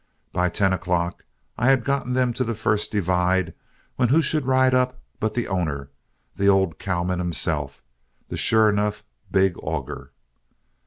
By ten o'clock I had got them to the first divide, when who should ride up but the owner, the old cowman himself the sure enough big auger.